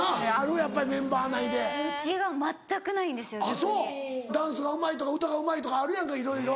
あぁそう。ダンスがうまいとか歌がうまいとかあるやんかいろいろ。